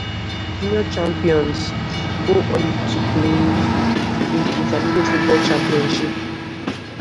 The Junior champions go on to play in the Intermediate football Championship.